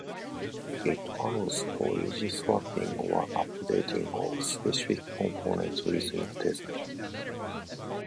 It allows for easy swapping or updating of specific components within a design.